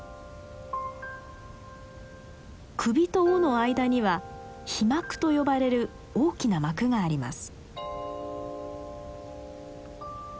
首と尾の間には「飛膜」と呼ばれる大きな膜があります。